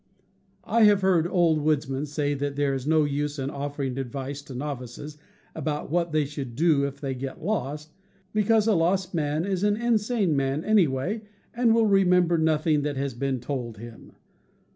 I have heard old woodsmen say that there is no use in offering advice to novices about what they should do if they get lost, because a lost man is an insane man, anyway, and will remember nothing that has been told him.